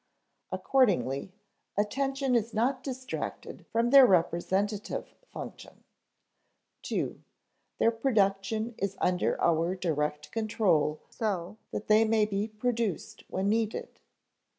Accordingly, attention is not distracted from their representative function. (ii) Their production is under our direct control so that they may be produced when needed.